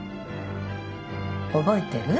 覚えてる？